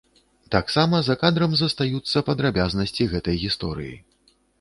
Таксама за кадрам застаюцца падрабязнасці гэтай гісторыі.